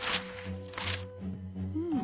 うん。